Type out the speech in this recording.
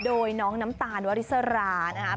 โดยน้องน้ำตาลวริสรานะครับ